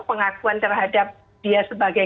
pengakuan terhadap dia sebagai